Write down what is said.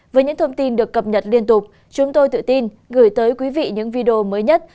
với những thông tin được cập nhật liên tục chúng tôi tự tin gửi tới quý vị những video mới nhất